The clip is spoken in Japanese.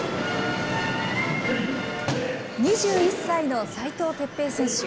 ２１歳の齋藤哲平選手。